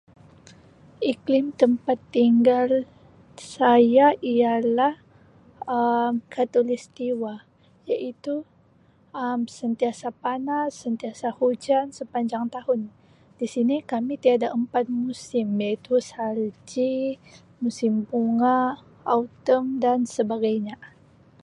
Iklim tempat tinggal saya ialah Um khatulistiwa iaitu Um sentiasa panas, sentiasa hujan sepanjang tahun. Di sini kami tiada empat musim iaitu salji, musim bunga, autumn dan sebagainya.